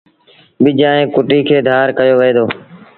ٻج ائيٚݩ ڪُٽيٚ کي ڌآر ڪيو وهي دو۔